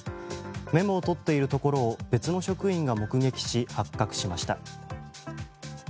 メモを取っているところを別の職員が目撃し発覚しました。